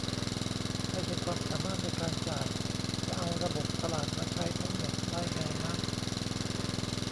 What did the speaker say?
ไม่ใช่ความสามารถในการจ่าย จะเอาระบบตลาดมาใช้ทั้งหมดได้ไงนะ